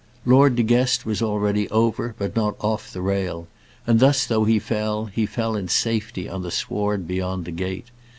Lord De Guest was already over, but not off the rail; and thus, though he fell, he fell in safety on the sward beyond the gate.